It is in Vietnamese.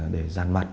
để giàn mặt